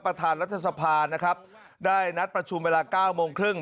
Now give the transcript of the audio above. ประธานรัฐสภานะครับได้นัดประชุมเวลา๙โมงครึ่ง